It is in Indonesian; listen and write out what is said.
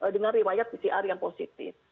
dengan riwayat pcr yang positif